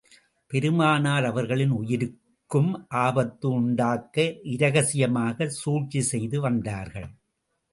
பெருமானார் அவர்களின் உயிருக்கும் ஆபத்து உண்டாக்க இரகசியமாகச் சூழ்ச்சி செய்து வந்தார்கள்.